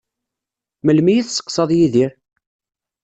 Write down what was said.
Melmi i tesseqsaḍ Yidir?